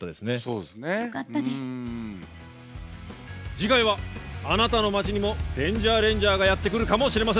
次回はあなたの町にもデンジャーレンジャーがやって来るかもしれません。